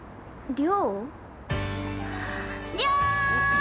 亮！